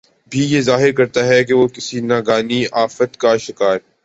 بھی یہ ظاہر کرتا ہے کہ وہ کسی ناگہانی آفت کا شکار